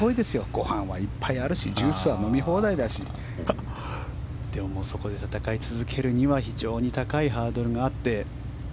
ご飯はいっぱいあるしでもそこで戦い続けるには非常に高いハードルがあって。